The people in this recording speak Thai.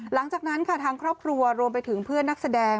หลังจากนั้นค่ะทางครอบครัวรวมไปถึงเพื่อนนักแสดง